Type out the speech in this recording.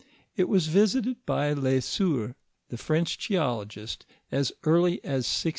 It was visited by Le Sueur, the French geologist, as early as 1088 {Hilt.